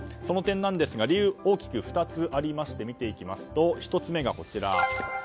その点ですが理由は大きく２つありまして見ていきますと１つ目がこちら。